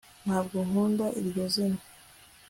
ntabwo nkunda iryo zina